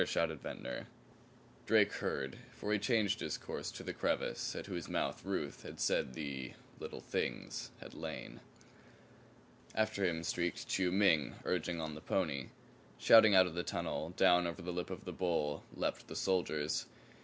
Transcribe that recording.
shouted Ventnor. Drake heard, for he changed his course to the crevice at whose mouth Ruth had said the Little Things had lain. After him streaked Chiu Ming, urging on the pony. Shouting out of the tunnel, down over the lip of the bowl, leaped the soldiers.